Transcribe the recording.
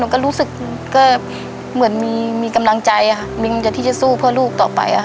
หนูก็รู้สึกก็เหมือนมีกำลังใจมีการที่จะสู้เพื่อลูกต่อไป